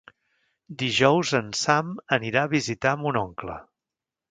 Dijous en Sam anirà a visitar mon oncle.